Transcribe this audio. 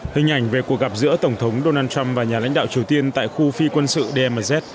hình ảnh về cuộc gặp giữa tổng thống donald trump và nhà lãnh đạo triều tiên tại khu phi quân sự dmz